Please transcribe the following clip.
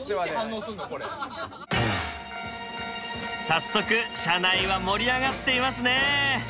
早速車内は盛り上がっていますね。